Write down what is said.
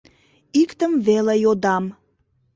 Иктым веле йодам.